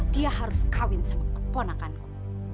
dia harus kawin sama keponakan ku